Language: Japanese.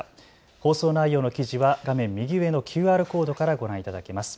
放送内容の記事は画面右上のＱＲコードからご覧いただけます。